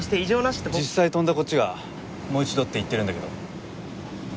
実際飛んだこっちがもう一度って言ってるんだけど。